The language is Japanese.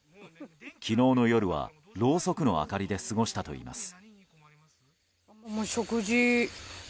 昨日の夜はろうそくの明かりで過ごしたといいます。